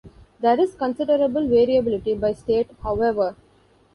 There is considerable variability by state, however.